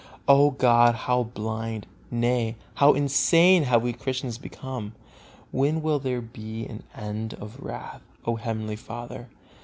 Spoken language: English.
O God, how blind, nay, how insane have we Christians become! When will there be an end of wrath, O heavenly Father?